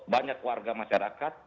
banyak warga masyarakat